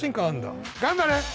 頑張れ！